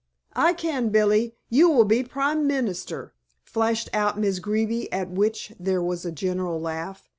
"I can, Billy. You will be Prime Minister," flashed out Miss Greeby, at which there was a general laugh.